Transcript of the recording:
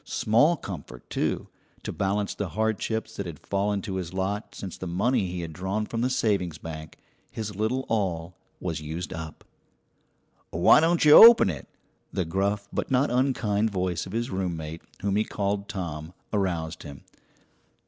Small comfort, too, to balance the hardships that had fallen to his lot since the money he had drawn from the savings bank his little all was used up. "Why don't you open it?" The gruff but not unkind voice of his roommate, whom he called Tom, aroused him.